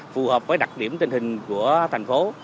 phù hợp với đặc điểm tình hình của thành phố